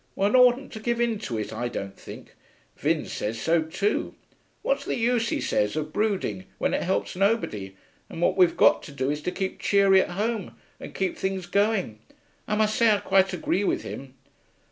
One oughtn't to give in to it, I don't think; Vin says so too. What's the use, he says, of brooding, when it helps nobody, and what we've got to do is to keep cheery at home and keep things going. I must say I quite agree with him.'